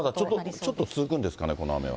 まだちょっと続くんですかね、この雨は。